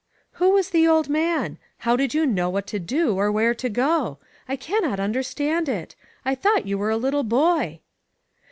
"Who was the old man? How did you know what to do, or where to go ?. I can not understand it. I thought you were a little boy."